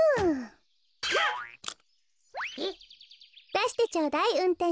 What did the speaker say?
だしてちょうだいうんてん